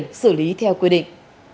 để xử lý theo quy định